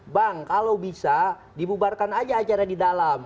bang kalau bisa dibubarkan aja acara di dalam